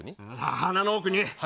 鼻の奥に？